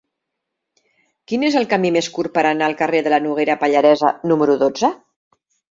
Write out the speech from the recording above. Quin és el camí més curt per anar al carrer de la Noguera Pallaresa número dotze?